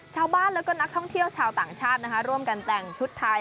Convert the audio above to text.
ชาวบ้านแล้วก็นักท่องเที่ยวชาวต่างชาตินะคะร่วมกันแต่งชุดไทย